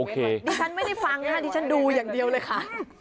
ดิฉันไม่ได้ฟังค่ะดิฉันดูอย่างเดียวเลยค่ะ